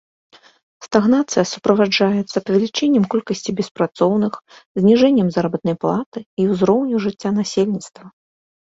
Стагнацыя суправаджаецца павелічэннем колькасці беспрацоўных, зніжэннем заработнай платы і ўзроўню жыцця насельніцтва.